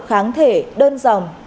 kháng thể đơn dòng